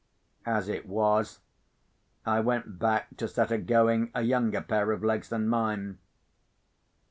As it was, I went back to set a going a younger pair of legs than mine.